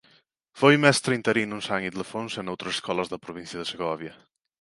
Foi mestre interino en San Ildefonso e noutras escolas da provincia de Segovia.